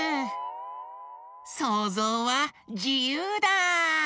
そうぞうはじゆうだ！